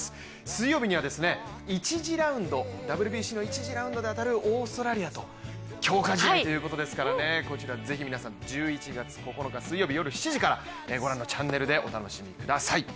水曜日にはＷＢＣの１次ラウンドで当たるオーストラリアと強化試合ということですからこちら是非皆さん、１１月９日夜７時からご覧のチャンネルでお楽しみください。